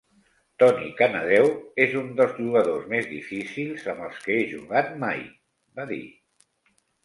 "Tony Canadeo és un dels jugadors més difícils amb els que he jugat mai", va dir.